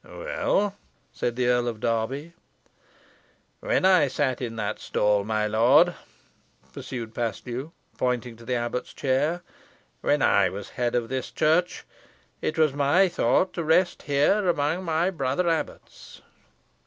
"Well!" said the Earl of Derby. "When I sat in that stall, my lord," pursued Paslew, pointing to the abbot's chair; "when I was head of this church, it was my thought to rest here among my brother abbots."